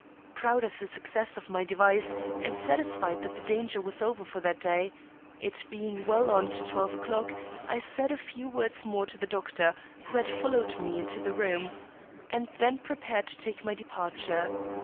Proud of the success of my device, and satisfied that the danger was over for that day (it being well on to twelve o'clock), I said a few words more to the doctor, who had followed me into the room, and then prepared to take my departure.